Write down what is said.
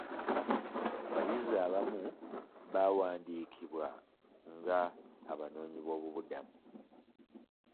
Abayizi abamu baawaandiikibwa nga abanoonyiboobubudamu.